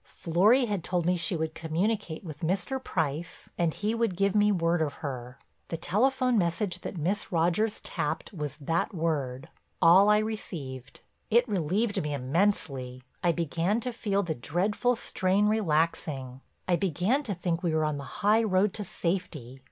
"Florry had told me she would communicate with Mr. Price and he would give me word of her. The telephone message that Miss Rogers tapped was that word; all I received. It relieved me immensely, I began to feel the dreadful strain relaxing, I began to think we were on the high road to safety.